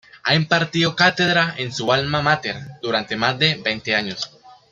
Ha impartido cátedra en su alma máter durante más de veinte años.